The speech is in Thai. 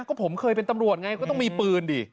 ก็ผมเคยเป็นตำรวจไงก็ต้องมีปืนดิ